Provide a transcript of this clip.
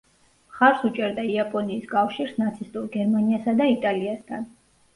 მხარს უჭერდა იაპონიის კავშირს ნაცისტურ გერმანიასა და იტალიასთან.